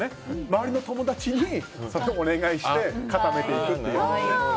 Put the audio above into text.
周りの友達にお願いして固めていくという。